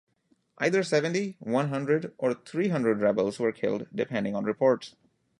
Either seventy, one hundred, or three hundred rebels were killed, depending on reports.